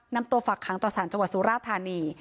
นำตัวฝักขังต่อสารจังหวัดสุราธานี